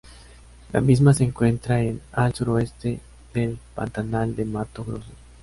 La misma se encuentra en al suroeste del pantanal del Mato Grosso.